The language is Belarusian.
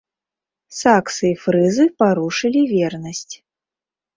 Саксы і фрызы парушылі вернасць.